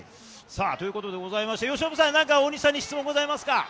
さあ、ということでございまして、由伸さん、何か大西さんに質問ございますか。